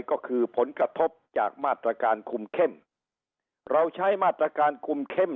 ก็คือผลกระทบจากมาตรการคุมเข้มเราใช้มาตรการคุมเข้ม